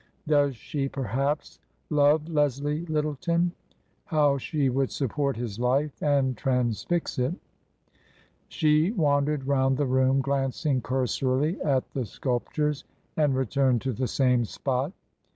Does she, perhaps, love Leslie Lyttleton ? How she would support his life — and transfix it !" She wandered round the room glancing cursorily at the sculptures and returned to the same spot.